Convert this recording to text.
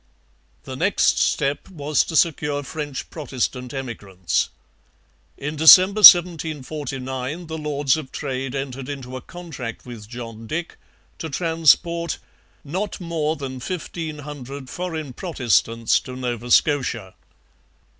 The next step was to secure French Protestant emigrants. In December 1749 the Lords of Trade entered into a contract with John Dick to transport 'not more than fifteen hundred foreign Protestants to Nova Scotia.'